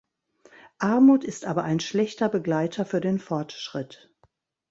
Armut ist aber ein schlechter Begleiter für den Fortschritt.